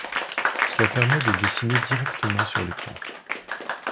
Cela permet de dessiner directement sur l'écran.